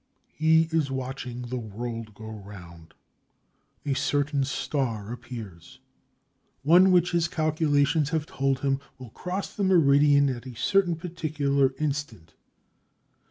He is watching the world go round. A certain star appears, one which his calculations have told him will cross the meridian at a certain particular instant.